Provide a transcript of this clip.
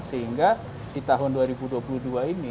sehingga di tahun dua ribu dua puluh dua ini